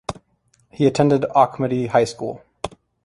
He attended Auchmuty High School.